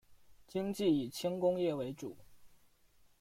经济以轻工业为主。